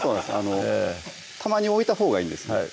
たまに置いたほうがいいんですね